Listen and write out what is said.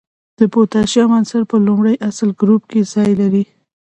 د پوتاشیم عنصر په لومړي اصلي ګروپ کې ځای لري.